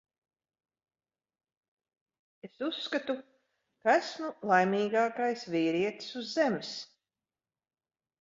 Es uzskatu, ka esmu laimīgākais vīrietis uz Zemes.